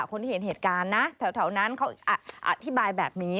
คนที่เห็นเหตุการณ์นะแถวนั้นเขาอธิบายแบบนี้